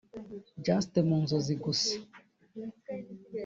just mu nzozi gusa